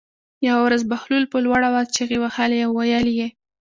یوه ورځ بهلول په لوړ آواز چغې وهلې او ویلې یې.